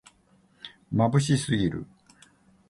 まぶしすぎる